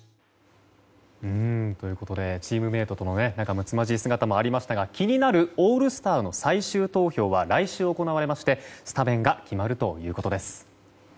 チームメートとの仲睦まじい姿もありましたが気になるオールスターの最終投票は来週行われましてスタメンが決まるということです。